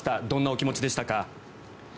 どんなお気持ちでしたか？